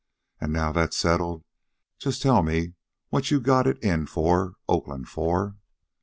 An' now that's settled, just tell me what you got it in for Oakland for."